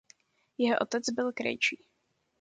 Jeho otec byl krejčí.